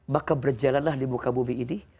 maka berjalanlah di muka bumi ini